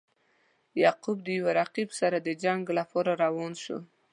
یعقوب د یو رقیب سره د جنګ لپاره روان شو.